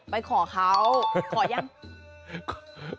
ไปขอเขาขอยัง